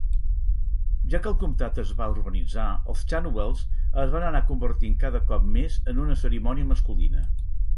Ja que el comtat es va urbanitzar, els "chantwells" es van anar convertint cada com més en una cerimònia masculina.